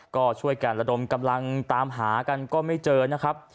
ก็ช่วยกันระดมกำลังตามหากันก็ไม่เจอนะครับ